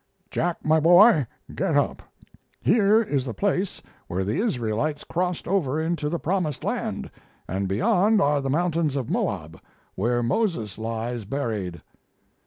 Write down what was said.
"Jack, my boy, get up. Here is the place where the Israelites crossed over into the Promised Land, and beyond are the mountains of Moab, where Moses lies buried."